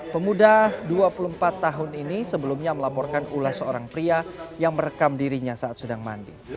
pemuda dua puluh empat tahun ini sebelumnya melaporkan ulas seorang pria yang merekam dirinya saat sedang mandi